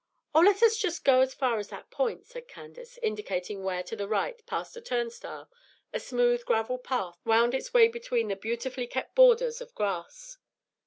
"Oh, let us just go as far as that point," said Candace, indicating where, to the right, past a turnstile, a smooth gravel path wound its way between the beautifully kept borders of grass.